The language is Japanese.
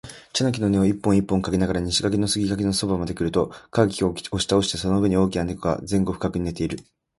茶の木の根を一本一本嗅ぎながら、西側の杉垣のそばまでくると、枯菊を押し倒してその上に大きな猫が前後不覚に寝ている